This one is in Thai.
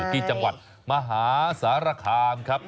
ที่จังหวัดมหาสารคามครับ